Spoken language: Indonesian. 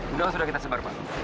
sudah kita sebar pak